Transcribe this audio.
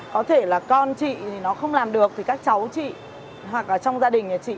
có thể là con chị thì nó không làm được thì các cháu chị hoặc là trong gia đình nhà chị